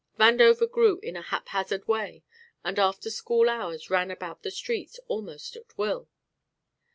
Vandover grew in a haphazard way and after school hours ran about the streets almost at will.